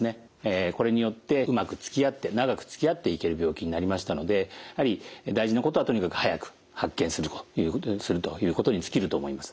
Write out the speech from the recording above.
これによってうまくつきあって長くつきあっていける病気になりましたので大事なことはとにかく早く発見するということに尽きると思います。